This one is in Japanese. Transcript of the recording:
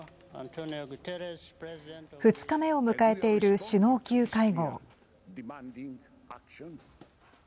２日目を迎えている首脳級会合。